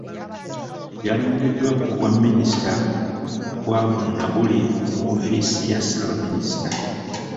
Yalondeddwa ku bwa Minisita bwa guno na guli mu woofiisi ya Ssaabaminisita.